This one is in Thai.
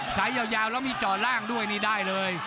ยาวแล้วมีจ่อล่างด้วยนี่ได้เลย